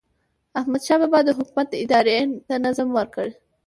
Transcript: احمدشاه بابا د حکومت ادارې ته نظم ورکړ.